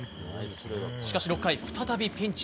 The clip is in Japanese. しかし６回、再びピンチ。